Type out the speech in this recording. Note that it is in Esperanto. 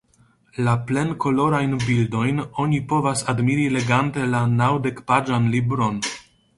La plenkolorajn bildojn oni povas admiri legante la naŭdekpaĝan libron.